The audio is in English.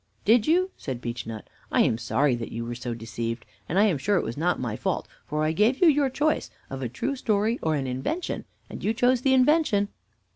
"Did you?" said Beechnut. "I am sorry that you were so deceived, and I am sure it was not my fault, for I gave you your choice of a true story or an invention, and you chose the invention."